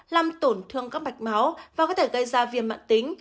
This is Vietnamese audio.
làm tổn thương các mạch máu và có thể gây ra viêm mạng tính